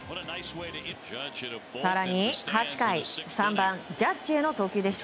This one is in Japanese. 更に８回３番、ジャッジへの投球でした。